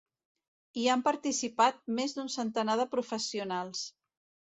Hi han participat més d'un centenar de professionals.